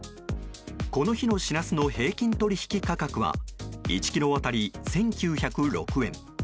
この日のシラスの平均取引価格は１ｋｇ当たり１９０６円。